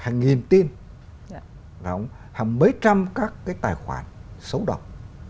hàng nghìn tin hàng mấy trăm các cái tài khoản xấu độc